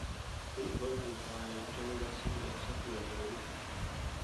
Lead vocals by Jerry Garcia, except where noted.